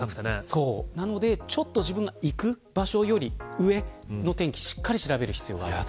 なので、自分が行く場所より上の天気しっかり調べる必要があります。